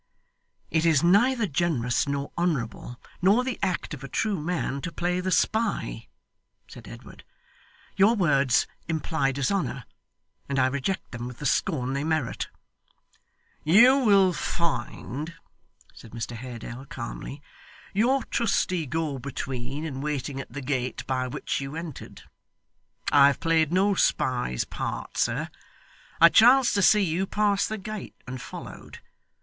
'It is neither generous, nor honourable, nor the act of a true man to play the spy,' said Edward. 'Your words imply dishonour, and I reject them with the scorn they merit.' 'You will find,' said Mr Haredale, calmly, 'your trusty go between in waiting at the gate by which you entered. I have played no spy's part, sir. I chanced to see you pass the gate, and followed.